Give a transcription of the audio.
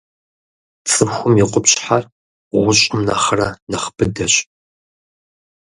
Цӏыхум и къупщхьэр гъущӀым нэхърэ нэхъ быдэщ.